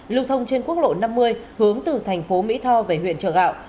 lưu thông trên quốc lộ năm mươi hướng từ thành phố mỹ tho về huyện chợ gạo